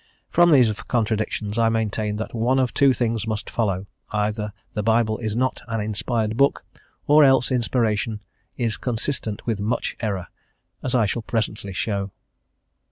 From these contradictions I maintain that one of two things must follow, either the Bible is not an inspired book, or else inspiration is consistent with much error, as I shall presently show.